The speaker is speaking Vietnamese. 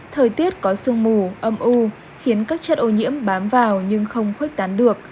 thời tiết có sương mù âm u khiến các chất ô nhiễm bám vào nhưng không khuếch tán được